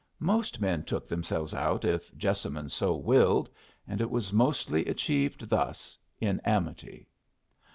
Most men took themselves out if Jessamine so willed; and it was mostly achieved thus, in amity.